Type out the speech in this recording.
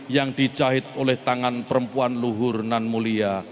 yang dijahit oleh tangan perempuan luhur nan mulia